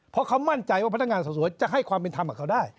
เพราะเขามั่นใจว่าพนักงานสอบสวนจะให้ความเป็นธรรมกับเขาได้